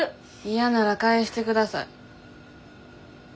嫌なら返して下さい。